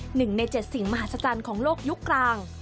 หนึ่งในเจ็ดสิ่งมหัศจรรย์ของโลกยุคกลาง